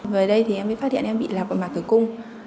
về đây thì em mới phát hiện em bị lạp ở mặt tử cung